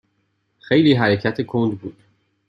خیلی حرکت کند بود.